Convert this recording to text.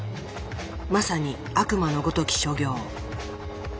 まさに悪魔のごとき所業。